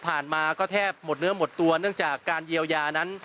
มาก็แทบหมดเนื้อหมดตัวเนื่องจากการเยียวยานั้น